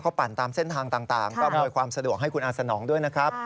ปั่นตามเส้นทางต่างก็อำนวยความสะดวกให้คุณอาสนองด้วยนะครับ